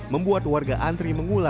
membuat warga antri mengulang